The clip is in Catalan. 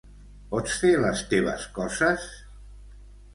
Pots fer les teves coses?